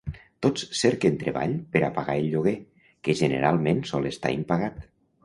Tots cerquen treball per a pagar el lloguer, que generalment sol estar impagat.